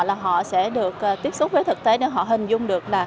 là họ sẽ được tiếp xúc với thực tế để họ hình dung được là